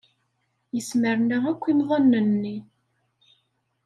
Yesmerna akk imḍanen-nni.